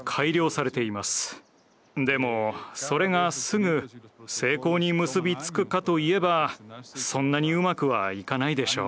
でもそれがすぐ成功に結び付くかといえばそんなにうまくはいかないでしょう。